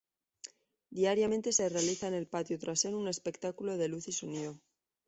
Diariamente se realiza en el patio trasero un espectáculo de Luz y Sonido.